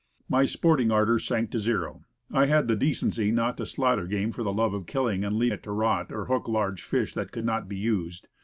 My sporting ardor sank to zero. I had the de cency not to slaughter game for the love of killing, and leave it to rot, or hook large fish that could not be used.